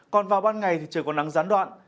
còn vào ban ngày thì trời có nắng gián đoạn